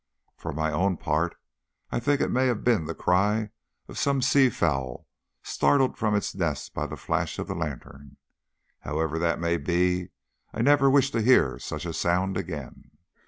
For my own part I think it may have been the cry of some sea fowl startled from its nest by the flash of the lantern. However that may be, I never wish to hear such a sound again.